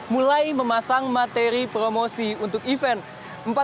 mulai memasang materi promosi untuk event